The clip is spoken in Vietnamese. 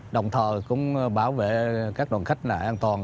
đồng thời cũng bảo vệ các đoàn khách an toàn